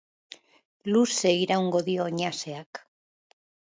Luze iraungo dio oinazeak.